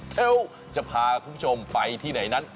เดี๋ยวจะพาคุณผู้ชมไปที่ไหนนั้น